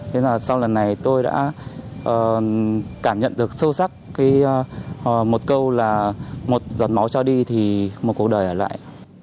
thế là sau lần này tôi đã cảm nhận được sâu sắc một câu là một giọt máu cho đi thì một cuộc đời ở lại